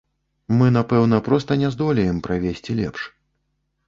Мы, напэўна, проста не здолеем правесці лепш.